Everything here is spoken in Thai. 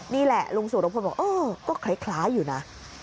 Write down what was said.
นี่แหละลุงสุรพลบอกเออก็คล้ายอยู่นะ